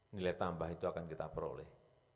nilai tambah itu akan kita peroleh